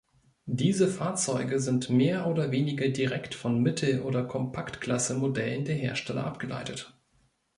Diese Fahrzeuge sind mehr oder weniger direkt von Mittel- oder Kompaktklasse-Modellen der Hersteller abgeleitet.